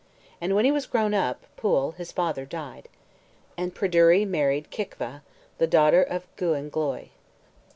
And when he was grown up, Pwyll, his father, died. And Pryderi married Kicva, the daughter of Gwynn Gloy.